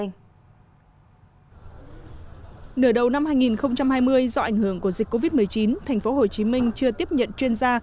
nửa đầu năm hai nghìn hai mươi do ảnh hưởng của dịch covid một mươi chín tp hcm chưa tiếp nhận chuyên gia